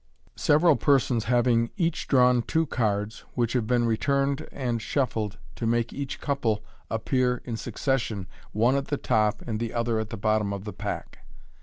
Several Persons havik,« each drawn Two Cards, which havb been Returned awd Shuffled, to make each Couplb Appear in Succession, one at the top and thb other at thb bottom of the Pack.